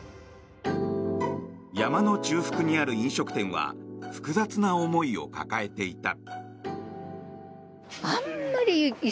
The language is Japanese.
山の中腹にある飲食店は複雑な思いを抱えていた。